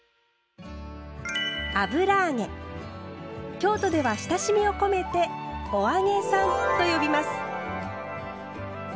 京都では親しみを込めて「お揚げさん」と呼びます。